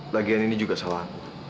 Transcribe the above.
lagian ini juga salah